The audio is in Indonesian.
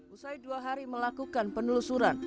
usai dua hari melakukan penelusuran